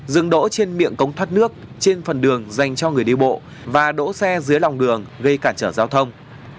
dừng đỗ trên miệng cống thoát nước trên phần đường dành cho người đi bộ và đỗ xe dưới lòng đường gây cản trở giao thông